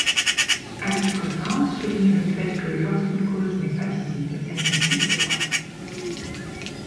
Alice Coffin souligne le fait que, lorsqu'une cause n'est pas visible, elle n'existe pas.